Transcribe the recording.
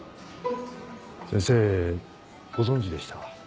先生ご存じでした？